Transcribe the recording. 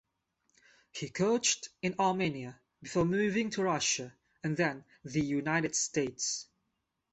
He coached in Armenia before moving to Russia and then the United States.